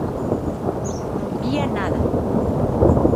Non vía nada.